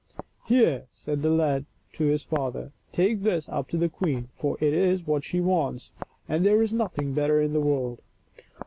" Here," said the lad to his father, " take this up to the queen, for it is what she wants, and there is nothing better in the world.